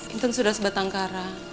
intan sudah sebatang kara